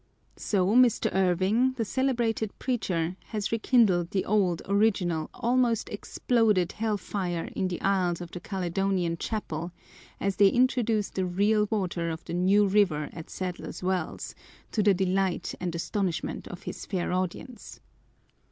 So Mr. Irving, the celebrated preacher, has rekindled the old, original, almost exploded, hell fire in the aisles of the Caledonian Chapel, as they introduce the real water of the New Eiver at Sadler's Wells, to the delight and astonishment of his fair audience.